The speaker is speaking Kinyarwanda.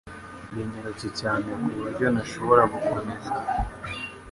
Yanyarutse cyane ku buryo ntashobora gukomeza